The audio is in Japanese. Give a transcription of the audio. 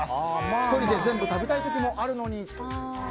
１人で全部食べたい時もあるのに。